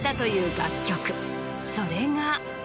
それが。